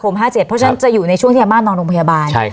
เพราะฉะนั้นจะอยู่ในช่วงที่อาม่านอนโรงพยาบาล